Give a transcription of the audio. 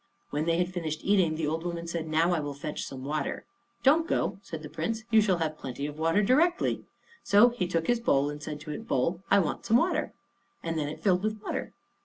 When they had finished eating, the old woman said, "Now I will fetch some water." "Don't go," said the Prince. "You shall have plenty of water directly." So he took his bowl and said to it, "Bowl, I want some water," and then it filled with water.